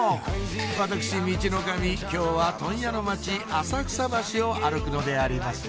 私ミチノカミ今日は問屋の街浅草橋を歩くのであります